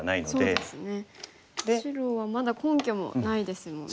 白はまだ根拠もないですもんね。